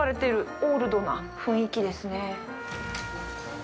オールドな雰囲気ですねぇ。